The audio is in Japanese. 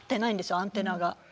アンテナが。